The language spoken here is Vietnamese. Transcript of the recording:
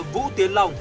vũ tiến lòng